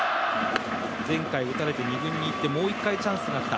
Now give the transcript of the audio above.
前回打たれて、２軍に行ってもう一回チャンスが来た。